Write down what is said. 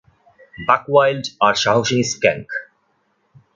বাক ওয়াইল্ড আর সাহসিনী স্কাঙ্ক!